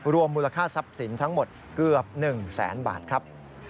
รวมมูลค่าทรัพย์สินทั้งหมดเกือบ๑แสนบาทครับ